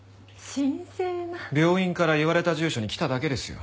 病院から言われた住所に来ただけですよ。